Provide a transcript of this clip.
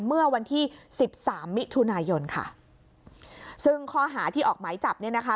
เมื่อวันที่สิบสามมิถุนายนค่ะซึ่งข้อหาที่ออกหมายจับเนี่ยนะคะ